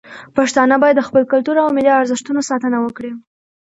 پښتانه باید د خپل کلتور او ملي ارزښتونو ساتنه وکړي.